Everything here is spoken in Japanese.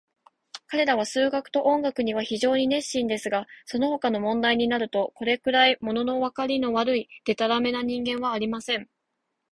彼等は数学と音楽には非常に熱心ですが、そのほかの問題になると、これくらい、ものわかりの悪い、でたらめな人間はありません。